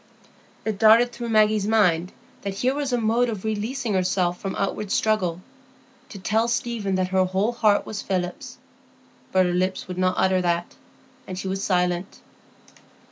It darted through Maggie's mind that here was a mode of releasing herself from outward struggle,—to tell Stephen that her whole heart was Philip's. But her lips would not utter that, and she was silent.